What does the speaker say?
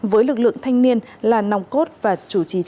với lực lượng thanh niên là nòng cốt và chủ trì triển khai